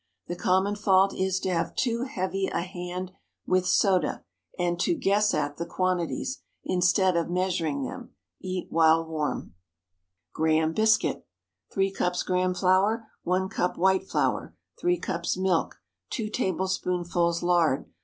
The common fault is to have too "heavy a hand" with soda, and to "guess at" the quantities, instead of measuring them. Eat while warm. GRAHAM BISCUIT. ✠ 3 cups Graham flour. 1 cup white flour. 3 cups milk. 2 tablespoonfuls lard.